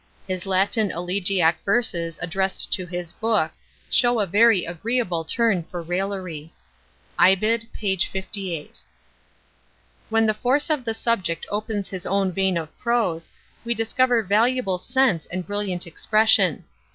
His Latin elegiac verses addressed to his book, shew a very agreeable turn for raillery.—Ibid. p. 58. When the force of the subject opens his own vein of prose, we discover valuable sense and brilliant expression.